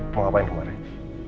mengapa ini pak randy